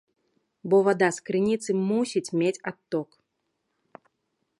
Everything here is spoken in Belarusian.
Бо вада з крыніцы мусіць мець адток.